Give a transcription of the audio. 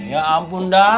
ya ampun dah